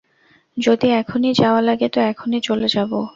যদি এখনই যাওয়া লাগে, তো এখনই চলে যাবো।